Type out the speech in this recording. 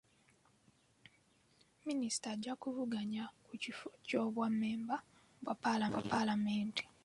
Minisita ajja kuvuganya ku kifo kyo bwa mmemba bwa paalamenti.